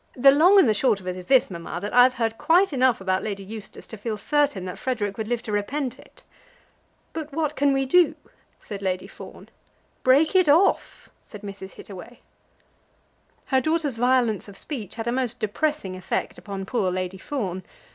The long and the short of it is this, mamma, that I've heard quite enough about Lady Eustace to feel certain that Frederic would live to repent it." "But what can we do?" said Lady Fawn. "Break it off," said Mrs. Hittaway. Her daughter's violence of speech had a most depressing effect upon poor Lady Fawn.